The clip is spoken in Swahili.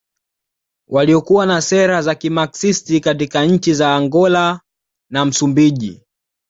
Waliokuwa na sera za kimaxist katika nchi za Angola na Msumbiji